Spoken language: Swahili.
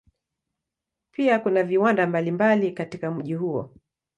Pia kuna viwanda mbalimbali katika mji huo.